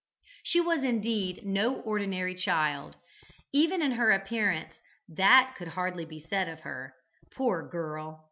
She was, indeed, no ordinary child. Even in her appearance that could hardly be said of her, poor girl!